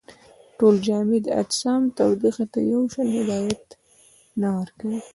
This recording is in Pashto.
ټول جامد اجسام تودوخې ته یو شان هدایت نه ورکوي.